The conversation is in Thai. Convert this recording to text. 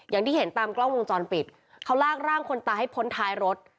อย่างที่เห็นตามกล้องวงจรปิดเขาลากร่างคนตายให้พ้นท้ายรถ